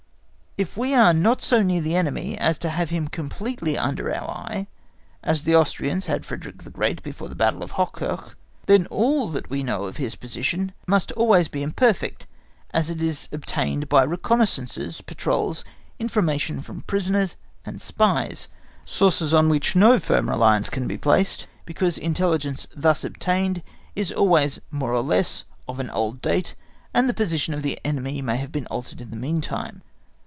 If we are not so near the enemy as to have him completely under our eye, as the Austrians had Frederick the Great before the battle of Hochkirch (1758), then all that we know of his position must always be imperfect, as it is obtained by reconnaissances, patrols, information from prisoners, and spies, sources on which no firm reliance can be placed because intelligence thus obtained is always more or less of an old date, and the position of the enemy may have been altered in the meantime.